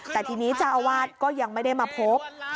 แต่ทีนี้เจ้าอาวาสก็ยังไม่ได้มาพบ